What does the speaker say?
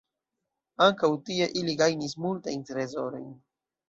Ankaŭ tie ili gajnis multajn trezorojn.